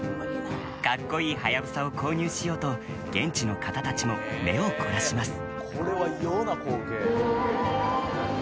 かっこいいハヤブサを購入しようと現地の方たちも目を凝らします。